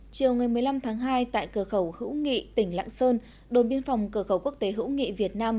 chiều ngày một mươi năm tháng hai tại cửa khẩu hữu nghị tỉnh lạng sơn đồn biên phòng cửa khẩu quốc tế hữu nghị việt nam